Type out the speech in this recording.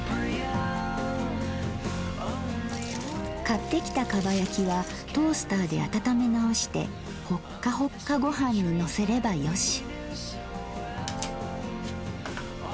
買ってきた蒲焼きはトースターで温め直してホッカホッカ御飯にのせればよし。